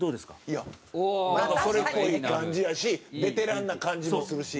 いやそれっぽい感じやしベテランな感じもするし。